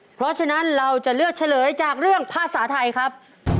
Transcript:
เพราะฉะนั้นเราจะเลือกเฉลยจากเรื่องภาษาไทยครับ